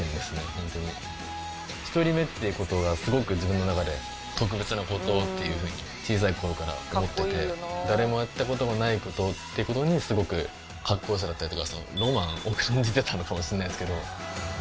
ホントに１人目っていうことがすごく自分の中で特別なことっていうふうに小さい頃から思っててすごくカッコよさだったりとかロマンを感じてたのかもしれないですけど